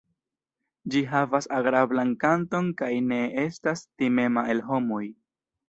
Ĝi havas agrablan kanton kaj ne estas timema el homoj.